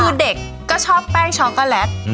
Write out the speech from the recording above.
คือเด็กก็ชอบแป้งช็อกโกแลต